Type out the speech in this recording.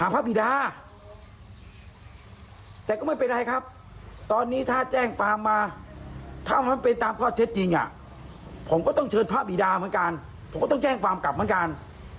ผมก็ต้องแจ้งความกลับเหมือนกัน